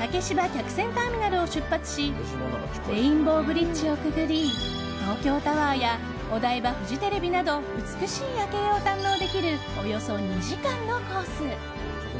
竹芝客船ターミナルを出発しレインボーブリッジをくぐり東京タワーやお台場、フジテレビなど美しい夜景を堪能できるおよそ２時間のコース。